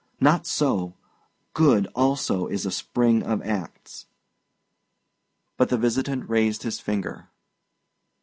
Not so; good, also, is a spring of acts." But the visitant raised his finger.